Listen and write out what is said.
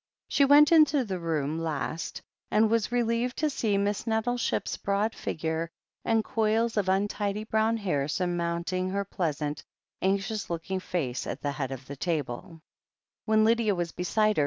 She went into the room last, and was relieved to see Miss Nettleship's broad figure and coils of untidy brown hair surmoimting her pleasant, anxious looking face, at the head of the table. THE HEEL OF ACHILLES 109 When Lydia was beside her.